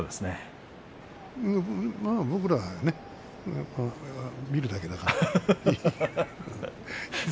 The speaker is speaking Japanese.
僕らは見るだけだから。